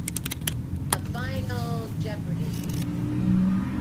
The Final Jeopardy!